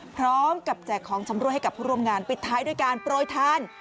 แจกของชำรวยให้กับผู้ร่วมงานปิดท้ายด้วยการโปรยทาน